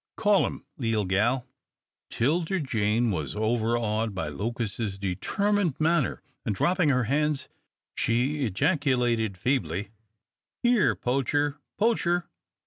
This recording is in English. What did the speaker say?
Call him, leetle gal." 'Tilda Jane was overawed by Lucas's determined manner, and dropping her hands she ejaculated feebly, "Here, Poacher, Poacher!"